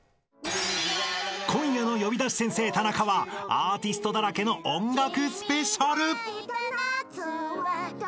今夜の「呼び出し先生タナカ」はアーティストだらけの音楽スペシャル。